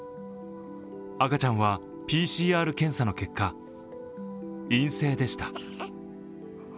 赤ちゃんはＰＣＲ検査の結果、陰性でした。